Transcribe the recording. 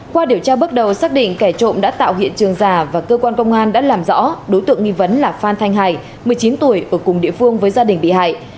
qua điều tra bước đầu xác định kẻ trộm đã tạo hiện trường giả và cơ quan công an đã làm rõ đối tượng nghi vấn là phan thanh hải một mươi chín tuổi ở cùng địa phương với gia đình bị hại